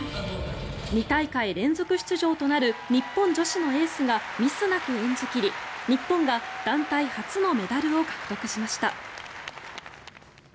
２大会連続出場となる日本女子のエースがミスなく演じ切り、日本が団体初のメダルを獲得しました。